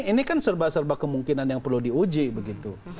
ini kan serba serba kemungkinan yang perlu diuji begitu